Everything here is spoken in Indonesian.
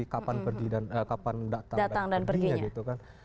kapan datang dan perginya